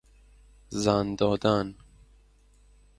زن دادن